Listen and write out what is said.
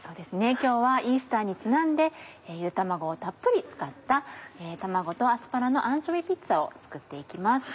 今日はイースターにちなんでゆで卵をたっぷり使った卵とアスパラのアンチョビーピッツァを作って行きます。